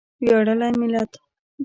ویاړلی ملت.